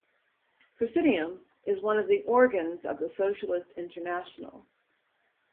"Presidium" is one of the organs of the Socialist International.